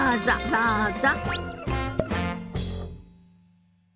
どうぞ。